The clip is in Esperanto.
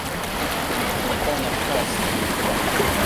Pli bone poste